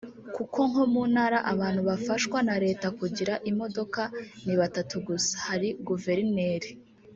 Kuko nko mu ntara abantu bafashwa na leta kugira imodoka ni batatu gusa; hari Guverineri